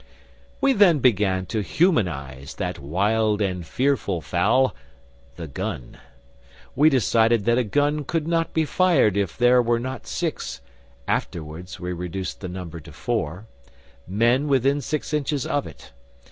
We then began to humanise that wild and fearful fowl, the gun. We decided that a gun could not be fired if there were not six afterwards we reduced the number to four men within six inches of it.